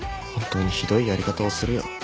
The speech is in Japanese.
本当にひどいやり方をするよ。